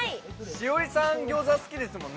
栞里さん、餃子好きですもんね？